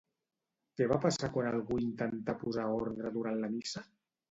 Què va passar quan algú intentà posar ordre durant la missa?